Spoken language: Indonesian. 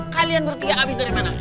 kalian bertiga habis dari mana